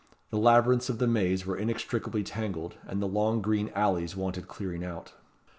The labyrinths of the maze were inextricably tangled, and the long green alleys wanted clearing out.